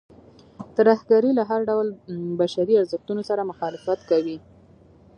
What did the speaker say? ترهګرۍ له هر ډول بشري ارزښتونو سره مخالفت کوي.